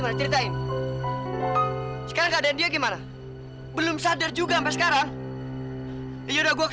for natal nikotin sekarangladen dia gimana belum sulphuh juga peskar hai yaudah gue